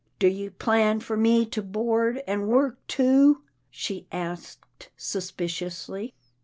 " Do you plan for me to board and work, too? " she asked suspiciously.